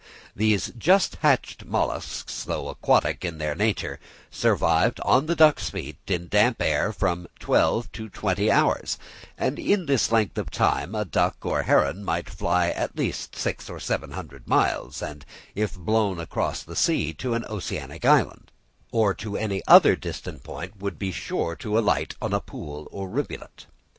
These just hatched molluscs, though aquatic in their nature, survived on the duck's feet, in damp air, from twelve to twenty hours; and in this length of time a duck or heron might fly at least six or seven hundred miles, and if blown across the sea to an oceanic island, or to any other distant point, would be sure to alight on a pool or rivulet.